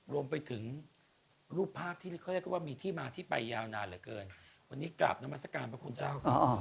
รวมไปถึงรูปภาพที่เขาเรียกว่ามีที่มาที่ไปยาวนานเหลือเกินวันนี้กราบนามัศกาลพระคุณเจ้าครับ